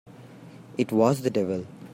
It was the devil!